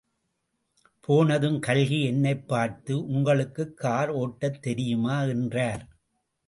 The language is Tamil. போனதும் கல்கி என்னைப் பார்த்து, உங்களுக்கு கார் ஒட்டத் தெரியுமா? என்றார்.